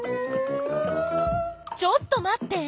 ちょっと待って！